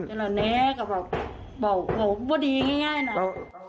ทางนี้ก็แบบบอกว่าดีง่ายน่ะ